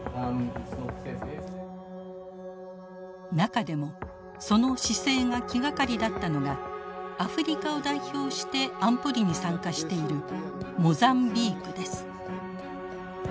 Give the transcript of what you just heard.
中でもその姿勢が気がかりだったのがアフリカを代表して安保理に参加しているモザンビークです。